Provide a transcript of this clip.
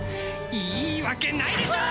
いいわけないでしょ！